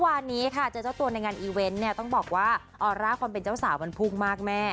วันนี้ค่ะเจอเจ้าตัวในงานอีเวนต์เนี่ยต้องบอกว่าออร่าความเป็นเจ้าสาวมันพุ่งมากแม่